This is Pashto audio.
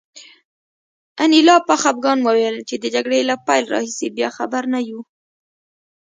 انیلا په خپګان وویل چې د جګړې له پیل راهیسې بیا خبر نه یو